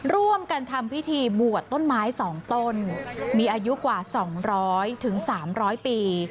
ร่วมกันทำพิธีบวชต้นไม้๒ต้นมีอายุกว่า๒๐๐๓๐๐ปี